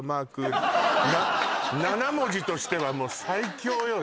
７文字としては最強よね